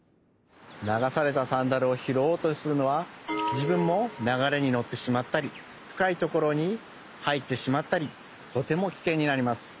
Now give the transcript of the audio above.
流されたサンダルをひろおうとするのはじぶんも流れにのってしまったりふかいところにはいってしまったりとてもキケンになります。